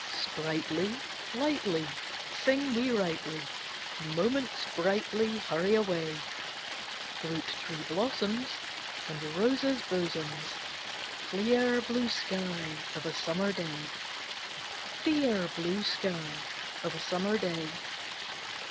Sprightly, lightly, Sing we rightly, Moments brightly hurry away; Fruit tree blossoms, And roses' bosoms, Clear blue sky of a Summer day! Dear blue sky of a Summer day!